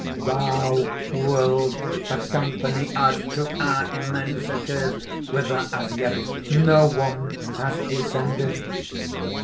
] "Thou wilt accompany us to our immensities, whither as yet no one has descended.